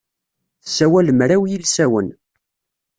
Tessawal mraw yilsawen.